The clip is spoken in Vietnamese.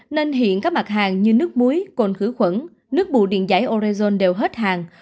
nên hiện các mặt hàng như nước muối côn khử khuẩn nước bù điện giải orezone đều hết hàng